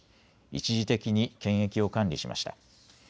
一時的に権益を管理しました。